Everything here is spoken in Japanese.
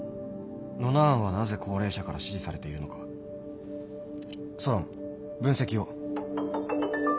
ノナ案はなぜ高齢者から支持されているのかソロン分析を。